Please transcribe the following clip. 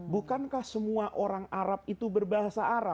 bukankah semua orang arab itu berbahasa arab